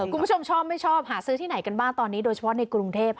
คุณผู้ชมชอบไม่ชอบหาซื้อที่ไหนกันบ้างตอนนี้โดยเฉพาะในกรุงเทพ